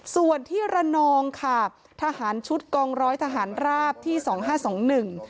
ส่วนที่ระนองค่ะทหารชุดกองร้อยทหารราบที่สองห้าสองหนึ่ง